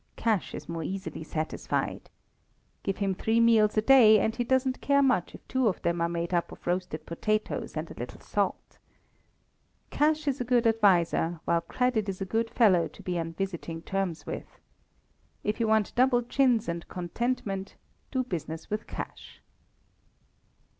Cash is more easily satisfied. Give him three meals a day, and he doesn't care much if two of them are made up of roasted potatoes and a little salt. Cash is a good adviser, while credit is a good fellow to be on visiting terms with. If you want double chins and contentment, do business with cash.